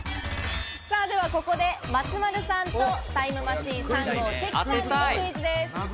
ではここで、松丸さんとタイムマシーン３号・関さんにクイズです。